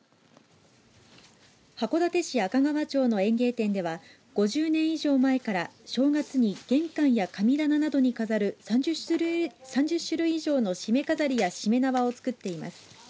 函館市赤川町の園芸店では５０年以上前から正月に玄関や神棚などに飾る、３０種類以上のしめ飾りやしめ縄を作っています。